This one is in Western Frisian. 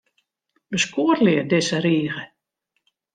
Beskoattelje dizze rige.